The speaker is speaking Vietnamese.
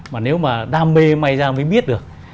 mà nếu mà đam mê may ra mới biết được